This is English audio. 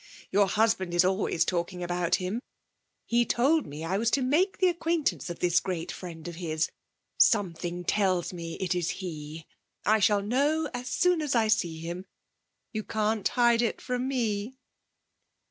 Your husband is always talking about him; he told me I was to make the acquaintance of this great friend of his. Something tells me it is he. I shall know as soon as I see him. You can't hide it from me!'